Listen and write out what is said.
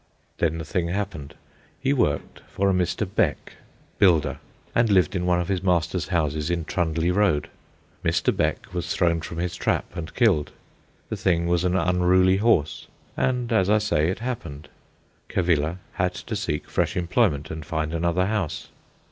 Then the thing happened. He worked for a Mr. Beck, builder, and lived in one of his master's houses in Trundley Road. Mr. Beck was thrown from his trap and killed. The thing was an unruly horse, and, as I say, it happened. Cavilla had to seek fresh employment and find another house.